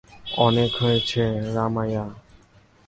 অনেক হয়েছে, রাম্যায়া।